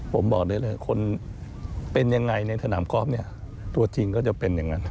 ผมบอกได้เลยคนเป็นยังไงในสนามกอล์ฟเนี่ยตัวจริงก็จะเป็นอย่างนั้น